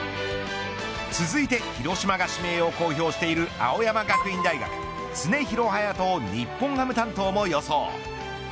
続いて、広島が指名を公表している青山学院大学常廣羽也斗を日本ハム担当も予想。